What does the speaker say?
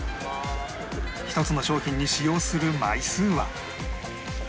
１つの商品に使用する枚数は